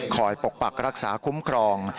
ปกปักรักษาคุ้มครอง